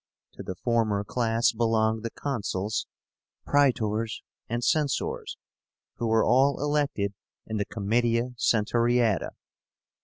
To the former class belonged the Consuls, Praetors, and Censors, who were all elected in the Comitia Centuriáta.